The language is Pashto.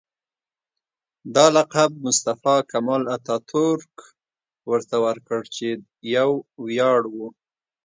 دا لقب مصطفی کمال اتاترک ورته ورکړ چې یو ویاړ و.